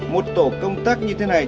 một tổ công tác như thế này